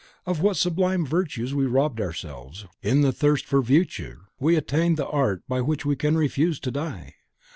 Of what sublime virtues we robbed ourselves, when, in the thirst for virtue, we attained the art by which we can refuse to die!